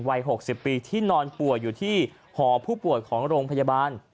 วัย๖๐ปีที่นอนป่วยอยู่ที่หอผู้ป่วยของโรงพยาบาล